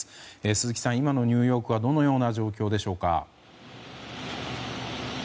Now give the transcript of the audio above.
鈴木さん、今のニューヨークはどのような状況でしょうか。